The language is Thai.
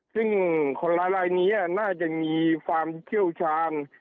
ซึ่งคนร้ายลายนี้น่าจะมีความเชี่ยวชาญ